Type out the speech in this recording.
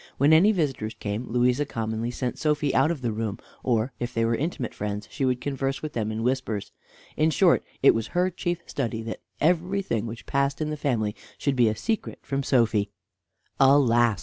When any visitors came Louisa commonly sent Sophy out of the room, or if they were intimate friends she would converse with them in whispers; in short, it was her chief study that everything which passed in the family should be a secret from Sophy. Alas!